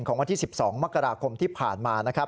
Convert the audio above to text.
วันที่๑๒มกราคมที่ผ่านมานะครับ